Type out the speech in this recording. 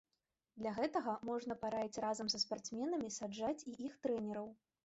Для гэтага можна параіць разам са спартсменамі саджаць і іх трэнераў.